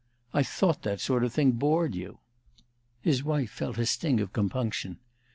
I thought that kind of thing bored you." His wife felt a sting of compunction.